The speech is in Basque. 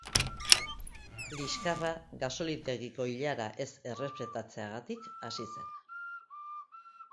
Liskarra gasolindegiko ilara ez errespetatzeaagtik hasi zen.